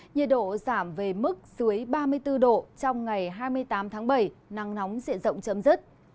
nhiệt độ giảm về mức dưới ba mươi bốn độ trong ngày hai mươi tám tháng bảy nắng nóng diện rộng chấm dứt